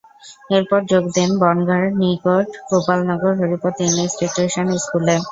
এরপর যোগ দেন বনগাঁর নিকট গোপালনগর হরিপদ ইনস্টিটিউশন স্কুলে।